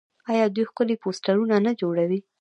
آیا دوی ښکلي پوسټرونه نه جوړوي؟